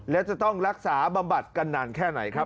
และจะต้องรักษาบำบัดกันนานแค่ไหนครับ